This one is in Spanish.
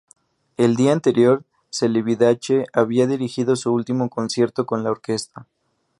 El día anterior, Celibidache había dirigido su último concierto con la orquesta.